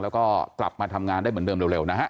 แล้วก็กลับมาทำงานได้เหมือนเดิมเร็วนะฮะ